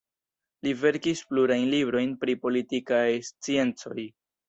Li verkis plurajn librojn pri politikaj sciencoj.